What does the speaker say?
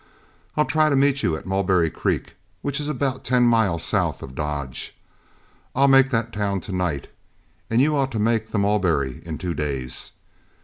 I'll try to meet you at Mulberry Creek, which is about ten miles south of Dodge. I'll make that town to night, and you ought to make the Mulberry in two days.